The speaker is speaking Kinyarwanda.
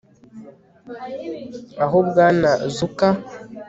oh bwana zucker